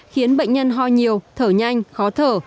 khiến bệnh nhân ho nhiều thở nhanh khó thở